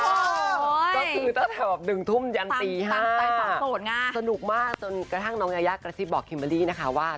ก็คือตั้งแต่แบบ๑ทุ่มยันตี๕สนุกมากจนกระทั่งน้องยาย่ากระทิบบอกคิมเมรี่นะคะว่า